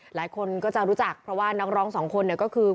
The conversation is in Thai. หลายคนก็จะรู้จักเพราะว่านักร้องสองคนเนี่ยก็คือ